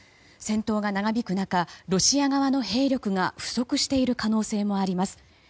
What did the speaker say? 戦闘が長引く中ロシア側の兵力が不足している可能性もあります。